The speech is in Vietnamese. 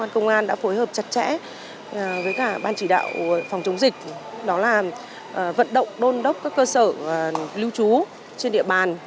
công an đã phối hợp chặt chẽ với ban chỉ đạo phòng chống dịch vận động đôn đốc các cơ sở lưu trú trên địa bàn